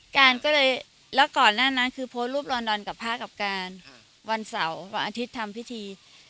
การก็เลยแล้วก่อนหน้านั้นคือโพสต์รูปลอนดอนกับพระกับการวันเสาร์วันอาทิตย์ทำพิธี